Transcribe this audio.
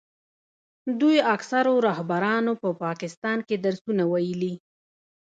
دوی اکثرو رهبرانو په پاکستان کې درسونه ویلي.